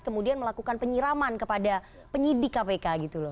kemudian melakukan penyiraman kepada penyidik kpk gitu loh